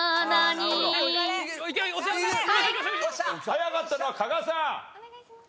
早かったのは加賀さん。